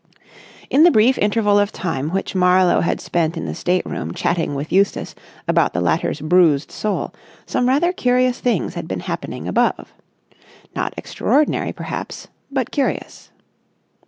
§ 3 In the brief interval of time which Marlowe had spent in the state room chatting with Eustace about the latter's bruised soul, some rather curious things had been happening above. Not extraordinary, perhaps, but curious.